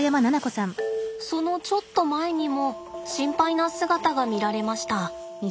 そのちょっと前にも心配な姿が見られました。